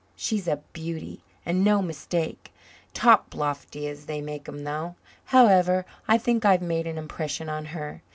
She's a beauty and no mistake. Toplofty as they make 'em, though. However, I think I've made an impression on her.